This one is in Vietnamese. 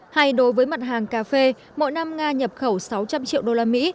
hay đối với mặt hàng cà phê mỗi năm nga nhập khẩu sáu trăm linh triệu usd